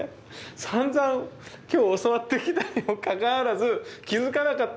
さんざん今日教わってきたにもかかわらず気付かなかった。